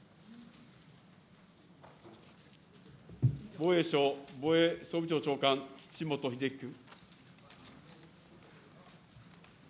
防衛省防衛装備庁長官、土本英樹君。